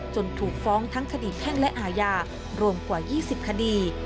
ถูกฟ้องทั้งคดีแพ่งและอาญารวมกว่า๒๐คดี